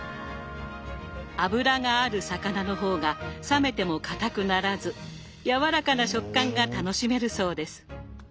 脂がある魚の方が冷めてもかたくならずやわらかな食感が楽しめるそうです。